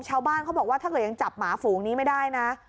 ชาวบ้านเขาบอกว่าถ้าเกิดยังจับหมาฝูงนี้ไม่ได้นะ